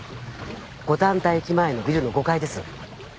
五反田駅前のビルの５階です